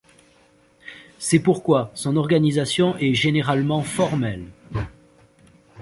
C'est pourquoi son organisation est généralement formelle.